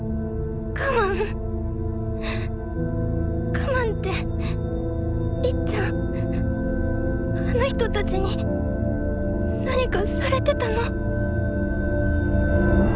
我慢ってりっちゃんあの人たちに何かされてたの？